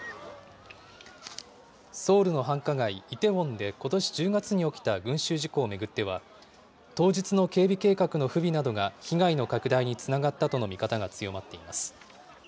ソウルの繁華街、イテウォンでことし１０月に起きた群集事故を巡っては、当日の警備計画の不備などが被害の拡大につながったとの見方が強まっています。